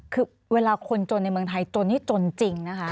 คือเวลาคนจนในเมืองไทยจนนี่จนจริงนะคะ